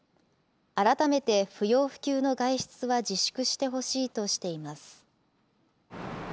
改めて不要不急の外出は自粛してほしいとしています。